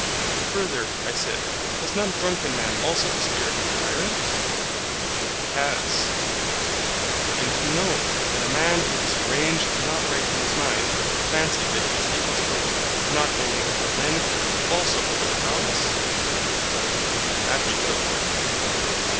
Further, I said, has not a drunken man also the spirit of a tyrant? He has. And you know that a man who is deranged and not right in his mind, will fancy that he is able to rule, not only over men, but also over the gods? That he will.